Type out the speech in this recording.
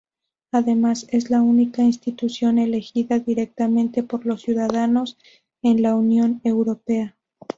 Además, es la única institución elegida directamente por los ciudadanos en la Unión Europea.